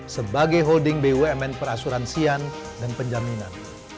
sebagai holding bumn perasuransian dan penjaminan